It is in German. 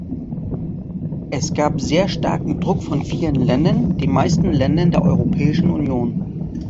Es gab sehr starken Druck von vielen Ländern, den meisten Ländern der Europäischen Union.